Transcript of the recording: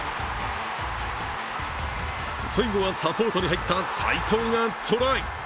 最後はサポートに入った齋藤がトライ。